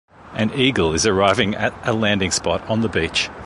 An eagle is arriving at a landing spot on the beach.